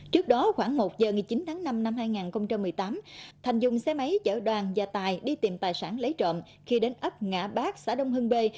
trước đó khoảng một giờ ngày chín tháng năm năm hai nghìn một mươi tám thành dùng xe máy chở đoàn và tài đi tìm tài sản lấy trộm khi đến ấp ngã bác xã đông hưng bê